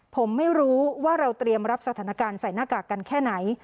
ผมไม่รู้ว่าเราเตรียมรับสถานการณ์ใส่หน้ากากกันแค่ไหน